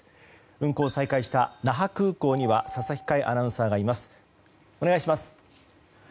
運航を再開した那覇空港には佐々木快アナウンサーがいます。